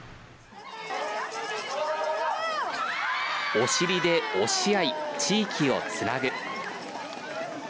お尻で押し合い地域をつなぐ。